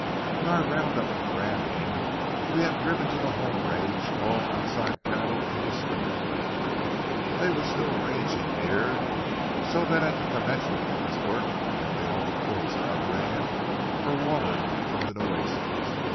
In our round up for branding, we had driven to the home range all outside cattle indiscriminately. They were still ranging near, so that at the commencement of this work nearly all the bulls in our brand were watering from the Nueces.